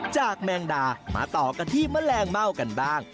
แมงดามาต่อกันที่แมลงเม่ากันบ้าง